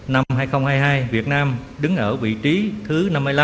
năm hai nghìn hai mươi hai việt nam đứng ở vị trí thứ năm mươi năm